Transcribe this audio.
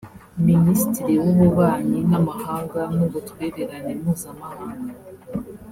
Minisitiri w’Ububanyi n’Amahanga n’Ubutwererane Mpuzamahanga